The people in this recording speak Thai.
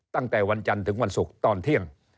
ตั้งแต่วันจันทร์ถึงวันศุกร์ตอนเที่ยง